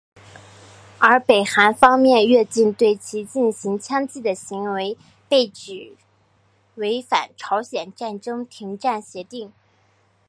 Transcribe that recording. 而北韩方面越境对其进行枪击的行为被指违反朝鲜战争停战协定。